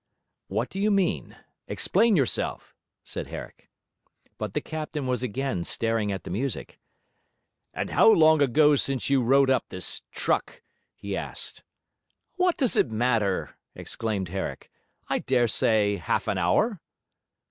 'What do you mean? Explain yourself,' said Herrick. But the captain was again staring at the music. 'About how long ago since you wrote up this truck?' he asked. 'What does it matter?' exclaimed Herrick. 'I dare say half an hour.'